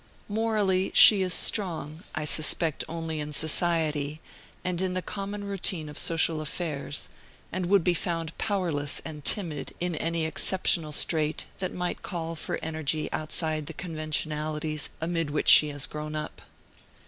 Morally, she is strong, I suspect, only in society, and in the common routine of social affairs, and would be found powerless and timid in any exceptional strait that might call for energy outside of the conventionalities amid which she has grown up.